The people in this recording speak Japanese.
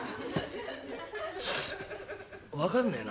「分かんねえなお前。